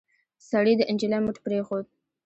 سړي د نجلۍ مټ پرېښود.